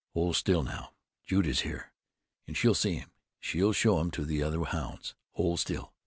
Hold still now. Jude is here, and she'll see him, she'll show him to the other hounds. Hold still!"